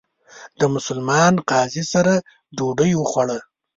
د مسلمان قاضي سره ډوډۍ وخوړه.